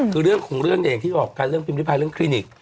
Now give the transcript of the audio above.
คือเรื่องของเรื่องเนี่ยอย่างที่บอกกันเรื่องพิมพิพายเรื่องคลินิก